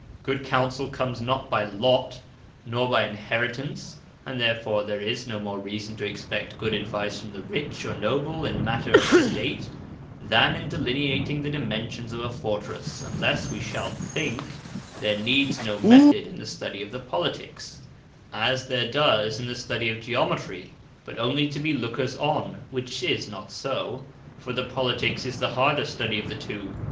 Good Counsell comes not by Lot, nor by Inheritance; and therefore there is no more reason to expect good Advice from the rich, or noble, in matter of State, than in delineating the dimensions of a fortresse; unlesse we shall think there needs no method in the study of the Politiques, (as there does in the study of Geometry,) but onely to be lookers on; which is not so. For the Politiques is the harder study of the two.